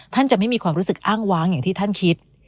จะไม่มีความรู้สึกอ้างว้างอย่างที่ท่านคิด